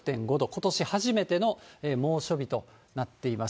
ことし初めての猛暑日となっています。